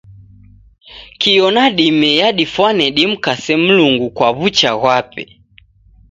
Kio na dime yadifwane dimkase Mlungu kwa w'ucha ghwape.